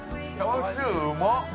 チャーシュー、うまっ。